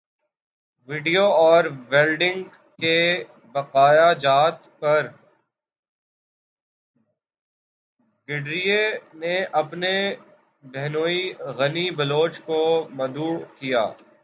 video اور welding کے بقایاجات پر گڈریے نے اپنے بہنوئی غنی بلوچ کو مدعو کیا